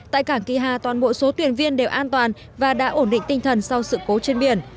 tại cảng kỳ hà toàn bộ số thuyền viên đều an toàn và đã ổn định tinh thần sau sự cố trên biển